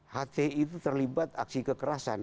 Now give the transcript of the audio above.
hti itu terlibat aksi kekerasan